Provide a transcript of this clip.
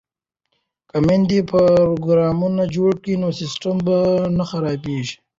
که میندې پروګرامونه جوړ کړي نو سیسټم به نه خرابیږي.